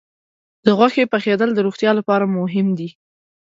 د غوښې ښه پخېدل د روغتیا لپاره مهم دي.